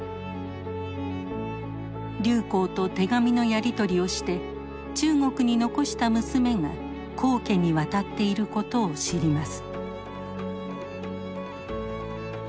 劉好と手紙のやり取りをして中国に残した娘が黄家に渡っていることを知ります。